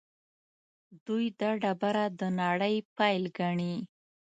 دوی دا ډبره د نړۍ پیل ګڼي.